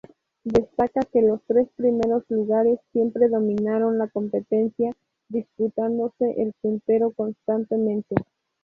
Destaca que los tres primeros lugares siempre dominaron la competencia disputándose el puntero constantemente.